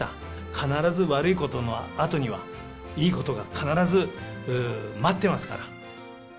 必ず悪いことの後には、いいことが必ず待ってますから。